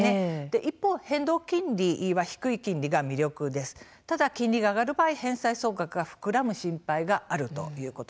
一方、変動金利は低い金利が魅力的ですけれども金利が上がる場合返済総額が膨らむ心配があります。